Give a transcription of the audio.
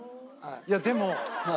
いやでも。